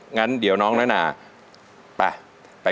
งั้นเดี๋ยวน้องน้อยนาไป